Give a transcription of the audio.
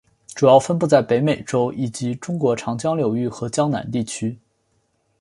主要分布在北美洲以及中国长江流域和江南地区。